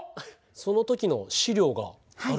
その時の資料があるんですか？